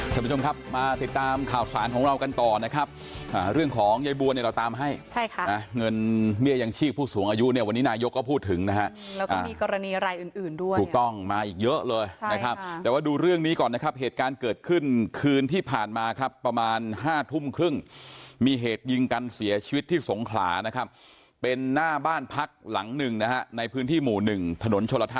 สวัสดีค่ะสวัสดีค่ะสวัสดีค่ะสวัสดีค่ะสวัสดีค่ะสวัสดีค่ะสวัสดีค่ะสวัสดีค่ะสวัสดีค่ะสวัสดีค่ะสวัสดีค่ะสวัสดีค่ะสวัสดีค่ะสวัสดีค่ะสวัสดีค่ะสวัสดีค่ะสวัสดีค่ะสวัสดีค่ะสวัสดีค่ะสวัสดีค่ะสวัสดีค่ะสวัสดีค่ะสวั